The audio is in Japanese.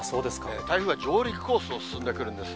台風が上陸コースを進んでくるんです。